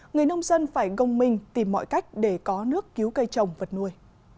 người nông dân phải gông minh tìm mọi cách để có nước cứu cây trồng vật nuôi